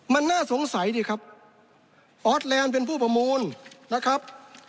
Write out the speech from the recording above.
มันน่าสงสัยดิครับออสแลนด์เป็นผู้ประมูลนะครับ